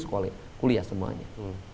sekolah kuliah semuanya